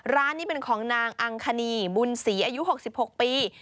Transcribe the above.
ร้านนี้เป็นของนางอังคณีบุญศรีอายุ๖๖ปี